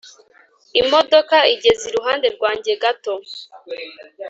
imodoka igeze iruhande rwanjye gato